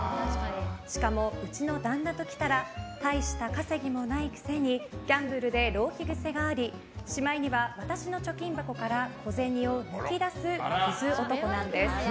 しかもうちの旦那ときたら大した稼ぎもないくせにギャンブルで浪費癖がありしまいには私の貯金箱から小銭を抜き出すクズ男なんです。